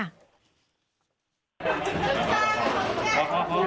้ำ